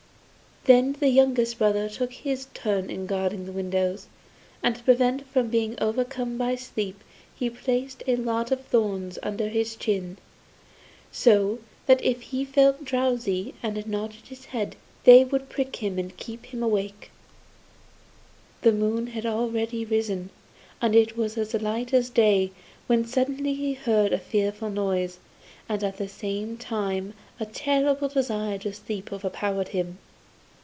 Then the youngest brother took his turn of guarding the windows, and to prevent his being overcome by sleep he placed a lot of thorns under his chin, so that if he felt drowsy and nodded his head, they would prick him and keep him awake. The moon was already risen, and it was as light as day, when suddenly he heard a fearful noise, and at the same time a terrible desire to sleep overpowered him.